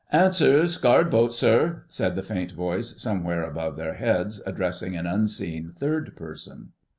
"Answer's, 'Guard Boat!' sir," said the faint voice somewhere above their heads, addressing an unseen third person.